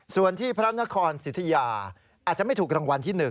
ส่วนที่พระนครสิทธิยาอาจจะไม่ถูกรางวัลที่๑